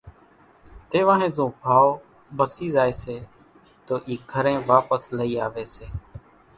تيوانۿين زو ڀائو ڀسِي زائي سي تو اِي گھرين واپس لئي آوي سي